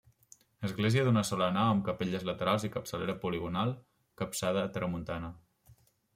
Església d'una sola nau amb capelles laterals i capçalera poligonal, capçada a tramuntana.